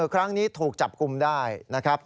ครั้งนี้ถูกจับกลุ่มได้นะครับ